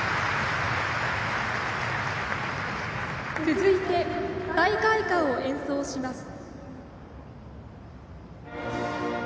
続いて大会歌を演奏します。